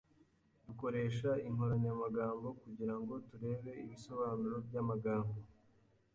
Dukoresha inkoranyamagambo kugirango turebe ibisobanuro byamagambo.